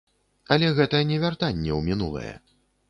Але гэта не вяртанне ў мінулае.